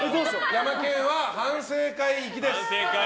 ヤマケンは反省会行きです。